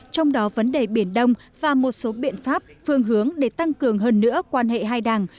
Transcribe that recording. trong đó vấn đề biển đông và một số biện pháp phương hướng để tăng cường hơn nữa quan hệ hai đảng